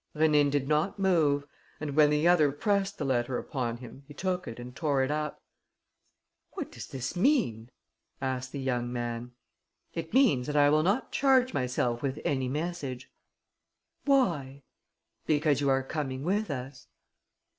Rénine did not move and, when the other pressed the letter upon him, he took it and tore it up. "What does this mean?" asked the young man. "It means that I will not charge myself with any message." "Why?" "Because you are coming with us."